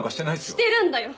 してるんだよ